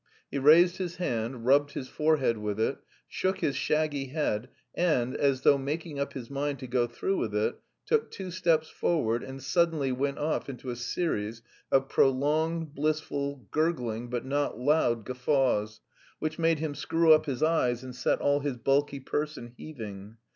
He raised his hand, rubbed his forehead with it, shook his shaggy head and, as though making up his mind to go through with it, took two steps forward and suddenly went off into a series of prolonged, blissful, gurgling, but not loud guffaws, which made him screw up his eyes and set all his bulky person heaving.